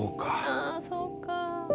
ああそうか。